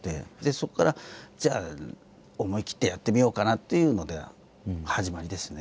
そこからじゃあ思い切ってやってみようかなっていうので始まりですね。